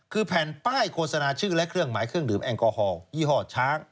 คือแผ่นป้ายโฆษณาชื่อและเครื่องหมายเครื่องดื่มแอลกอฮอลยี่ห้อช้าง